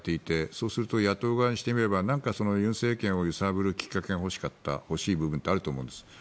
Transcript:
そうすると野党側にしてみれば尹政権を揺さぶるきっかけが欲しい部分ってあると思います。